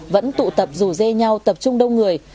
vẫn tụ tập rủ dê nhau tập trung đông người